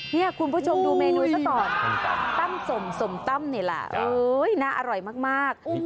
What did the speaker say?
เนี่ยคุณผู้ชมดูเมนูซะตอนต้ำสมสมต้ำเนี่ยล่ะน่าอร่อยมาก